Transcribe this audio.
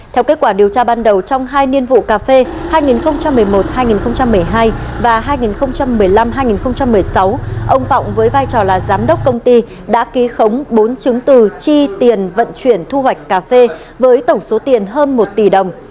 theo kết quả điều tra ban đầu trong hai niên vụ cà phê hai nghìn một mươi một hai nghìn một mươi hai và hai nghìn một mươi năm hai nghìn một mươi sáu ông vọng với vai trò là giám đốc công ty đã ký khống bốn chứng từ chi tiền vận chuyển thu hoạch cà phê với tổng số tiền hơn một tỷ đồng